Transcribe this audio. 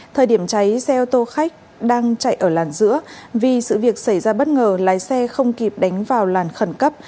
thời điểm cháy xe ô tô khách đang chạy ở làn giữa vì sự việc xảy ra bất ngờ lái xe không kịp đánh vào làn khẩn cấp